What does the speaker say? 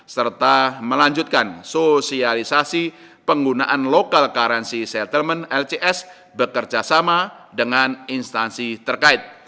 serta melanjutkan sosialisasi penggunaan local currency settlement lcs bekerjasama dengan instansi terkait